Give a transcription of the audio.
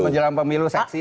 menjelang pemilu seksi